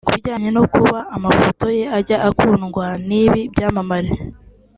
Ku bijyanye no kuba amafoto ye ajya akundwa n’ibi byamamare